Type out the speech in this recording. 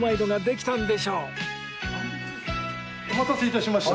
お待たせ致しました。